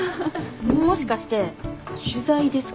もしかして取材ですか？